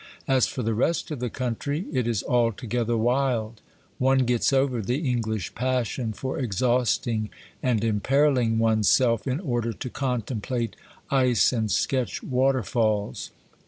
As for the rest of the country, it is altogether wild ; one gets over the English passion for exhausting and imperil ling one's self in order to contemplate ice and sketch waterfalls.